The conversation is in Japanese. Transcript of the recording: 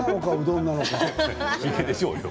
ひげでしょうよ。